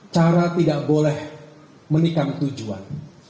cara tidak boleh menikam tujuan